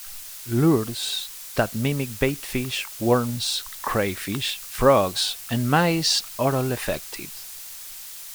Lures that mimic baitfish, worms, crayfish, frogs, and mice are all effective.